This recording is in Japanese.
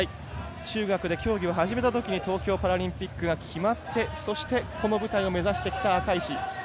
中学で競技を始めたときに東京パラリンピックが決まってそしてこの舞台を目指してきた赤石。